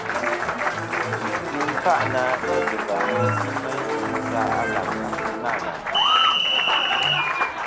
Mɨ n-kfâʼ na ghes va mesi meyn sa aleŋ atu nâ ghàyn.